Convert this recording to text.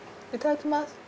いただきます。